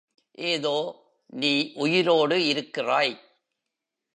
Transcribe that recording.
ஏதோ நீ உயிரோடு இருக்கிறாய்.